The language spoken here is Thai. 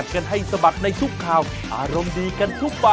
ใช่ครับ